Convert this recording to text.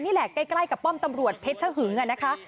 นี่แหละใกล้กับป้อมตำรวจเพชรฮึงอะนะคะ